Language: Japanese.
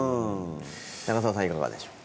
長澤さんいかがでしょう？